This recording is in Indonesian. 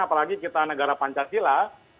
apalagi kita negara pancasila